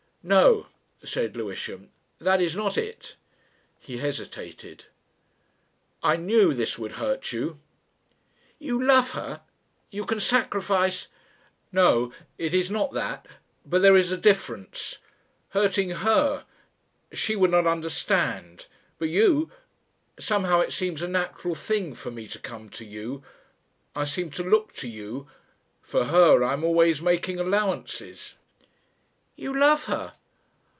"No," said Lewisham, "that is not it." He hesitated. "I knew this would hurt you." "You love her. You can sacrifice " "No. It is not that. But there is a difference. Hurting her she would not understand. But you somehow it seems a natural thing for me to come to you. I seem to look to you For her I am always making allowances " "You love her."